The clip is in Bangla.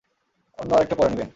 অন্য আরেকটা পরে নিবেন।